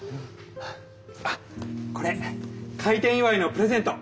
あっこれ開店祝いのプレゼント。